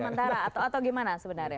atau sementara atau bagaimana sebenarnya